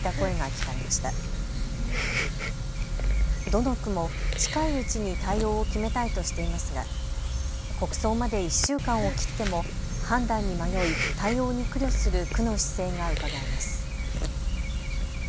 どの区も近いうちに対応を決めたいとしていますが、国葬まで１週間を切っても判断に迷い対応に苦慮する区の姿勢がうかがえます。